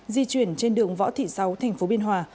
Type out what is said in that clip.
di chuyển trên đường võ thị sáu tp biên hòa